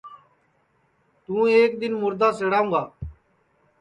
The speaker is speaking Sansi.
تو ایک دؔن دؔو دؔن مُردا سِڑا کرونگا